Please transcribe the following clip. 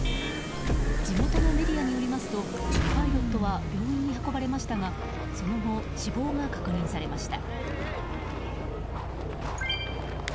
地元のメディアによりますとパイロットは病院に運ばれましたがその後、死亡が確認されました。